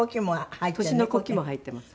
年の古希も入ってます。